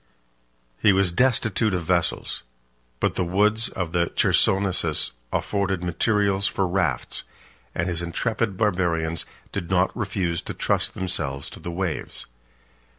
He was destitute of vessels; but the woods of the Chersonesus afforded materials for rafts, and his intrepid Barbarians did not refuse to trust themselves to the waves.